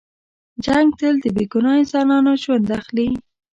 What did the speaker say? جنګ تل د بې ګناه انسانانو ژوند اخلي.